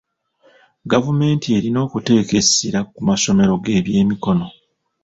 Gavumenti erina okuteeka essira ku masomero g'ebyemikono.